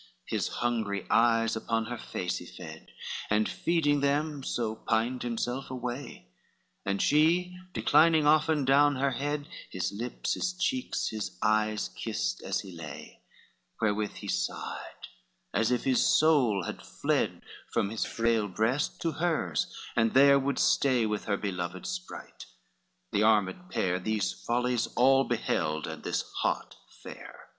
XIX His hungry eyes upon her face he fed, And feeding them so, pined himself away; And she, declining often down her head, His lips, his cheeks, his eyes kissed, as he lay, Wherewith he sighed, as if his soul had fled From his frail breast to hers, and there would stay With her beloved sprite: the armed pair These follies all beheld and this hot fare.